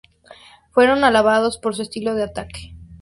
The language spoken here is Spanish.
Fueron alabados por su estilo de ataque.